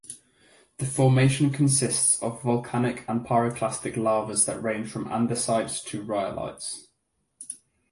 The formation consists of volcanic and pyroclastic lavas that range from andesites to rhyolites.